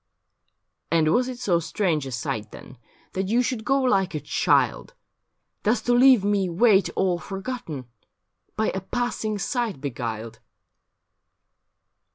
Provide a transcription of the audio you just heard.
' And was it so strange a sight, then. That you should go like a child, Thus to leave me wait all forgotten. By a passing sight beguiled